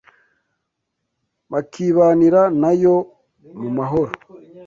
bakibanira na Yo mu mahoro